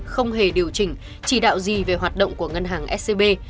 không hề điều chỉnh chỉ đạo gì về hoạt động của ngân hàng scb